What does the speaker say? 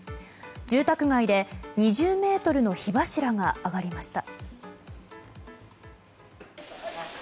住宅街で２０ｍの火柱が上がりました。